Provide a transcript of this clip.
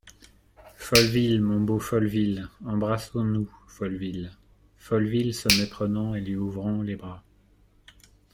Folleville ! mon bon Folleville ! embrassons-nous, Folleville !" Folleville , se méprenant et lui ouvrant les bras.